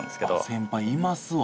先輩いますわ。